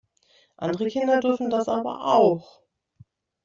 Andere Kinder dürfen das aber auch!